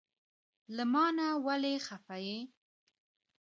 له مانه ولې خفه یی؟